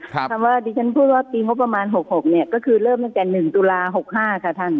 คำว่าที่ฉันพูดว่าปีงบประมาณ๖๖เนี่ยก็คือเริ่มตั้งแต่๑ตุลา๖๕ค่ะท่าน